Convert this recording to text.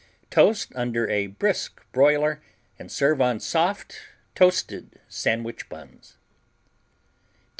Toast under a brisk boiler and serve on soft, toasted sandwich buns.